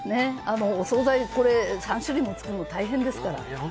お総菜、３種類も作るの大変ですから。